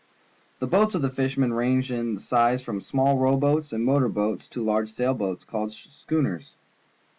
The boats of the fishermen range in size from small row boats and motor boats to large sail boats called schooners.